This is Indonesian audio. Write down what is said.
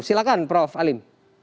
silakan prof alim